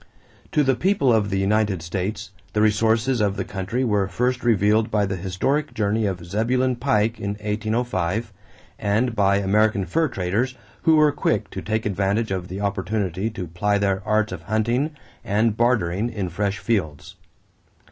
To the people of the United States, the resources of the country were first revealed by the historic journey of Zebulon Pike in 1805 and by American fur traders who were quick to take advantage of the opportunity to ply their arts of hunting and bartering in fresh fields.